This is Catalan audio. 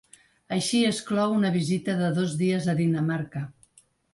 Així es clou una visita de dos dies a Dinamarca.